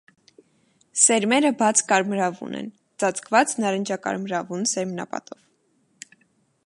Սերմերը բաց կարմրավուն են, ծածկված նարնջակարմրավուն սերմնապատով։